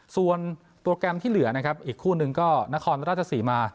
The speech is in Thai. ส่วนโปรแกรมที่เหลือนะครับอีกคู่หนึ่งก็นครราชสีมา